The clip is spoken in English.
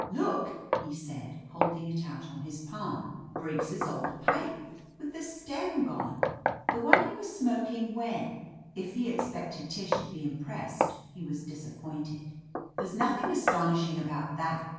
"Look !" he said, holding it out on his palm. "Briggs* old pipe, with the stem gone I The one he was smoking when —!'* If he expected Tish to be impressed he was disappointed. "There's nothing astonishing about that